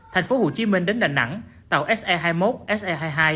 thành phố hồ chí minh đến đà nẵng tàu se hai mươi một se hai mươi hai